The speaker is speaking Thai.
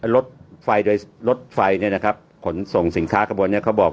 รถไฟโดยรถไฟเนี่ยนะครับขนส่งสินค้ากระบวนนี้เขาบอก